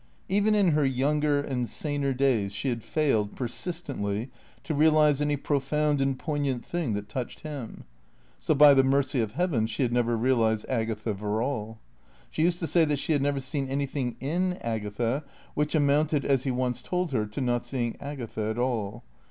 Even in her younger and saner days she had failed, persistently, to realise any profound and poignant thing that touched him; so by the mercy of heaven she had never realised Agatha Verrall. She used to say that she had never seen anything in Agatha, which amounted, as he once told her, to not seeing Agatha at all.